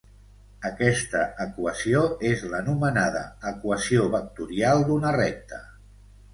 Aquesta equació és l'anomenada equació vectorial d'una recta.